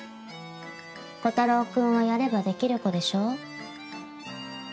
炬太郎くんはやれば出来る子でしょ？